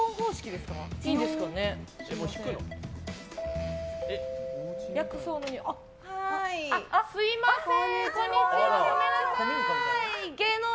すみません。